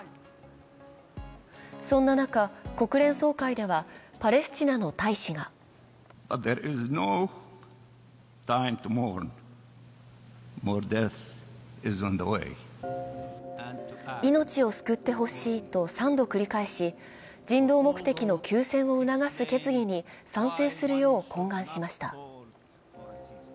そんな中、国連総会ではパレスチナの大使が命を救ってほしいと３度繰り返し、人道目的の休戦を促す決議に賛成するよう懇願しました。